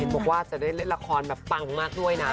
บอกว่าจะได้เล่นละครมากด้วยนะ